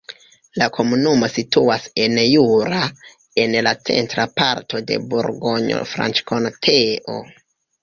La komunumo situas en Jura, en la centra parto de Burgonjo-Franĉkonteo.